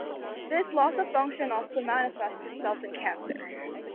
This loss of function also manifests itself in cancer.